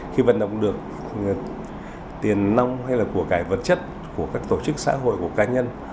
khi vận động được tiền nông hay là của cái vật chất của các tổ chức xã hội của cá nhân